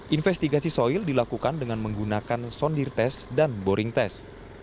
investigasi soil dilakukan dengan menggunakan sondir tes dan boring test